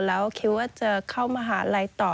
แล้วคิดว่าจะเข้ามหาลัยต่อ